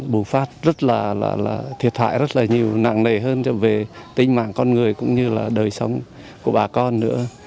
bùng phát rất là thiệt hại rất là nhiều nặng nề hơn cho về tính mạng con người cũng như là đời sống của bà con nữa